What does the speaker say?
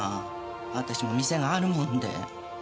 私も店があるもんで。